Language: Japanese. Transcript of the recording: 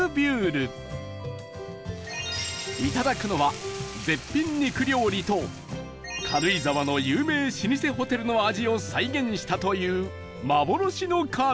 いただくのは絶品肉料理と軽井沢の有名老舗ホテルの味を再現したという